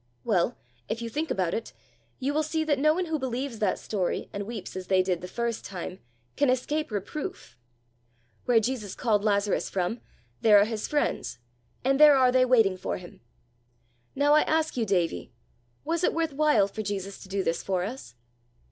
"Well, if you think about it, you will see that no one who believes that story, and weeps as they did the first time, can escape reproof. Where Jesus called Lazarus from, there are his friends, and there are they waiting for him! Now, I ask you, Davie, was it worth while for Jesus to do this for us?